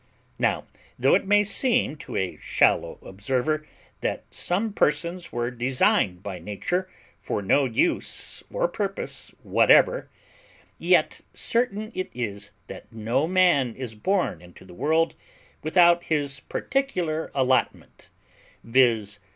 Now, though it may seem to a shallow observer that some persons were designed by Nature for no use or purpose whatever, yet certain it is that no man is born into the world without his particular allotment; viz.